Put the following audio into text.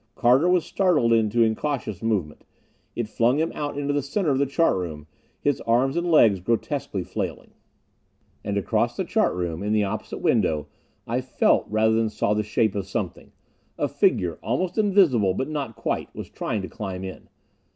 Carter was startled into incautious movement. It flung him out into the center of the chart room, his arms and legs grotesquely flailing. And across the chart room, in the opposite window, I felt rather than saw the shape of something. A figure almost invisible, but not quite was trying to climb in!